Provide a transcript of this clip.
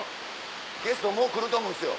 ゲストもう来ると思うんですよ。